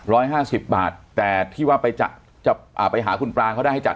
ร้อยห้าสิบบาทแต่ที่ว่าไปจะอ่าไปหาคุณปรางเขาได้ให้จัด